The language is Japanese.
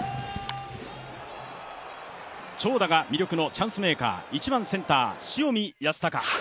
長打が魅力のチャンスメーカー、１番・センター塩見泰隆。